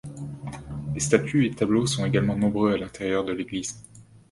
Les statues et tableaux sont également nombreux à l’intérieur de l’église.